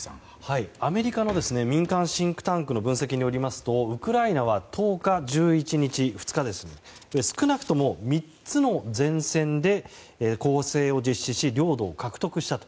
アメリカの民間シンクタンクの分析によりますとウクライナは１０日、１１日の２日で少なくとも３つの前線で攻勢を実施し領土を獲得したと。